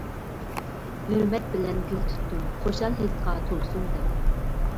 ھۆرمەت بىلەن گۈل تۇتتۇم، خۇشال ھېسقا تولسۇن دەپ!